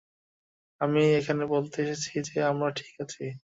আমি এখানে বলতে এসেছি যে আমরা ঠিক আছি।